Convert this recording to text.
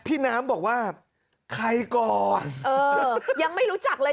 พี่น้ำบอกว่าใครก่อนเออยังไม่รู้จักเลย